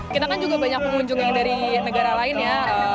kita kan juga banyak pengunjung yang dari negara lain ya